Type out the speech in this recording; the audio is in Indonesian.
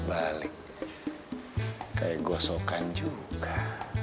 balik pulak balik kayak gosokan juga